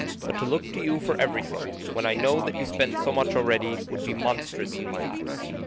But to look to you for everything, when I know that you spend so much already, would be monstrous in my eyes.